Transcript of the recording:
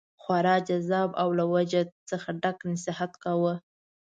خورا جذاب او له وجد څخه ډک نصیحت کاوه.